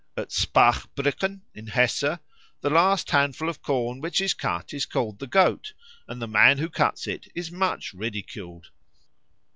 At Spachbrücken, in Hesse, the last handful of corn which is cut is called the Goat, and the man who cuts it is much ridiculed.